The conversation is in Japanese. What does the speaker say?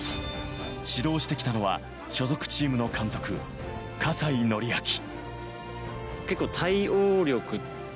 指導してきたのは所属チームの監督・葛西紀明。